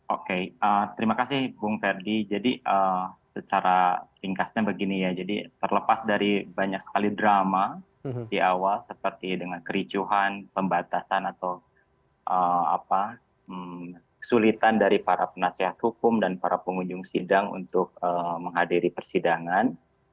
oke terima kasih bung ferdi jadi secara ringkasnya begini ya jadi terlepas dari banyak sekali drama di awal seperti dengan kericuhan pembatasan atau kesulitan dari para penasihat hukum dan para pengunjung sidang untuk menghadiri persidangan